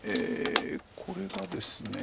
これがですね。